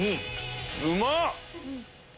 うまっ！